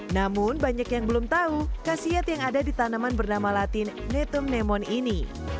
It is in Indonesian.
namun banyak yang belum tahu kasiat yang ada di tanaman bernama latin netum nemon ini